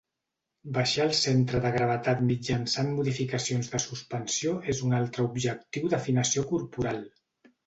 Baixar el centre de gravetat mitjançant modificacions de suspensió és un altre objectiu d'afinació corporal.